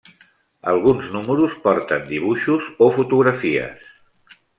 Alguns números porten dibuixos o fotografies.